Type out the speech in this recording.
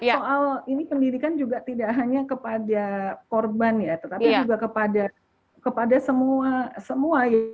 soal ini pendidikan juga tidak hanya kepada korban ya tetapi juga kepada semua ya